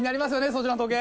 そちらの時計。